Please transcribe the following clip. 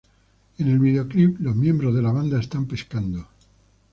En el videoclip, los miembros de la banda están pescando.